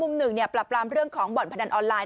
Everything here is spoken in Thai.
หนึ่งปรับรามเรื่องของบ่อนพนันออนไลน